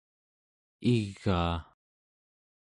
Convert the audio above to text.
igaa